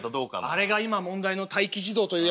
あれが今問題の待機児童という。